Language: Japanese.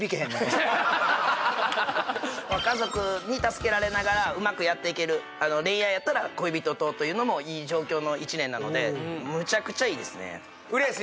家族に助けられながらうまくやっていける恋愛やったら恋人とというのもいい状況の１年なのでムチャクチャいいですね嬉しい！